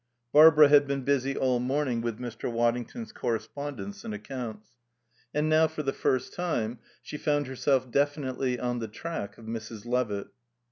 Barbara had been busy all morning with Mr. Waddington's correspondence and accounts. And now, for the first time, she found herself definitely on the track of Mrs. Levitt.